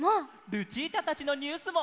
ルチータたちのニュースも。